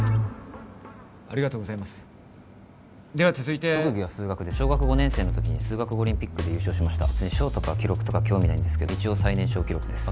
ありがとうございますでは続いて特技は数学で小学５年生の時に数学オリンピックで優勝しました賞とか記録とか興味ないんですけど一応最年少記録です